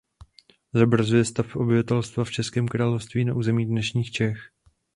Zobrazuje stav obyvatelstva v Českém království na území dnešních Čech.